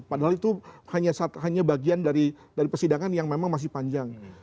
padahal itu hanya bagian dari persidangan yang memang masih panjang